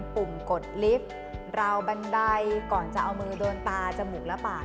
ปุ่มกดลิฟต์ราวบันไดก่อนจะเอามือโดนตาจมูกและปาก